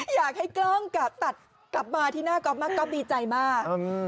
อยากให้กล้องตัดกลับมาที่หน้าก๊อฟมากก๊อฟดีใจมาก